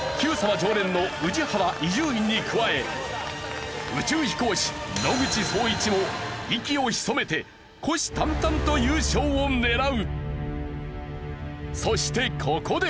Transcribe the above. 常連の宇治原伊集院に加え宇宙飛行士野口聡一も息をひそめて虎視眈々と優勝を狙う。